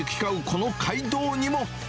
この街道にも。